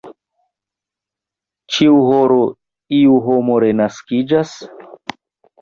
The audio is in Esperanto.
ĉiu horo, iu homo renaskiĝas?